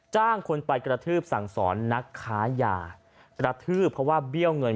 จ้างคนไปกระทืบสั่งสอนนักค้ายากระทืบเพราะว่าเบี้ยวเงิน